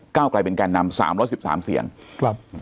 ใช่ครับ